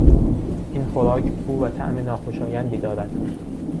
این خوراک بو و طعم ناخوشایندی دارد.